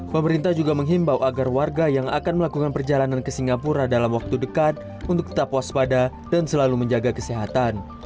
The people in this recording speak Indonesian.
pemerintah juga menghimbau agar warga yang akan melakukan perjalanan ke singapura dalam waktu dekat untuk tetap waspada dan selalu menjaga kesehatan